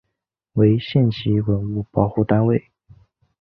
为县级文物保护单位。